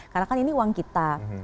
karena kan ini uang kita